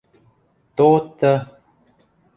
– То-ты...